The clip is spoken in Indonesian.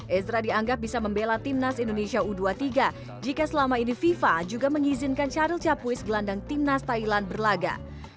ezra dianggap bisa membela timnas indonesia u dua puluh tiga jika selama ini fifa juga mengizinkan syahrul capuis gelandang timnas thailand berlaga